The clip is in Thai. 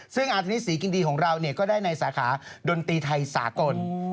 ซึ่งอาธนิสีกินดีของเราก็ได้ในสาขาดนตรีไทยสากล